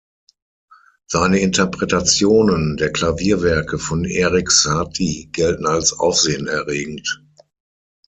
Seine Interpretationen der Klavierwerke von Eric Satie gelten als aufsehenerregend.